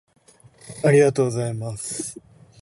ありがとうございます